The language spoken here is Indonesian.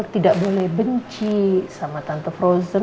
tidak boleh benci sama tante frozen